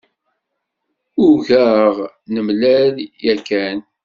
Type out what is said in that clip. Ugaɣ nemlal yakan.